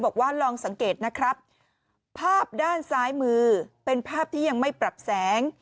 บอกว่าลองสังเกตนะครับภาพด้านซ้ายมือเป็นภาพที่ยังไม่ปรับแสง